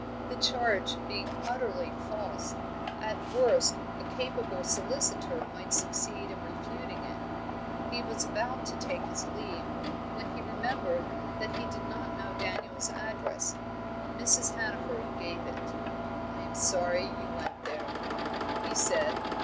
The charge being utterly false, at worst a capable solicitor might succeed in refuting it. He was about to take his leave, when he remembered that he did not know Daniel's address: Mrs. Hannaford gave it. "I am sorry you went there," he said.